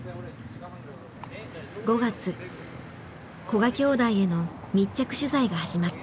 古賀兄弟への密着取材が始まった。